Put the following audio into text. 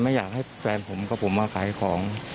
ไม่อยากให้แฟนผมกับผมมาขายของ